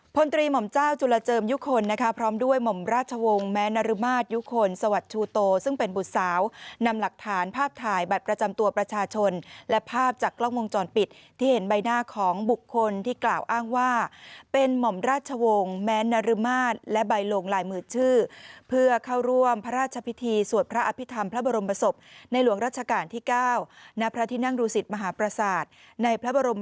ผลตรีหม่อมเจ้าจุลเจิมยุคคลนะคะพร้อมด้วยหม่อมราชวงศ์แม้นรมาศยุคคลสวัสดิ์ชูโตซึ่งเป็นบุตรสาวนำหลักฐานภาพถ่ายบัตรประจำตัวประชาชนและภาพจากกล้องมงจรปิดที่เห็นใบหน้าของบุคคลที่กล่าวอ้างว่าเป็นหม่อมราชวงศ์แม้นรมาศและใบลงหลายมือชื่อเพื่อเข้าร่วมพระราชพิธี